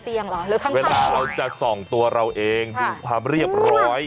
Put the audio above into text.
เวลาเราจะส่องตัวเราเองดูความเรียบร้อย